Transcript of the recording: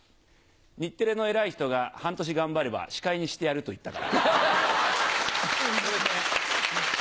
日テレの偉い人が半年頑張れば、司会にしてやると言ったから。